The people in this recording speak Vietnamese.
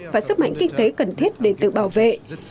và sức mạnh kinh tế cần thiết để tự bảo vệ